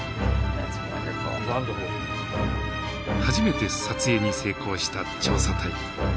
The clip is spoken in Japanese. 初めて撮影に成功した調査隊。